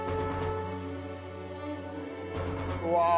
うわ！